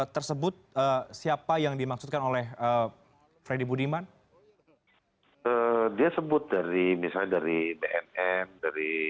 tersebut siapa yang dimaksudkan oleh freddy budiman dia sebut dari misalnya dari bnn dari